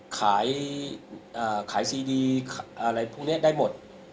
ขายซีดีอะไรพวกนี้ได้หมด